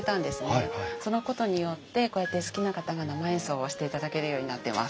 そのことによってこうやって好きな方が生演奏をしていただけるようになってます。